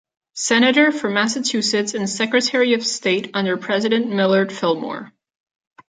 Senator for Massachusetts and Secretary of State under President Millard Fillmore.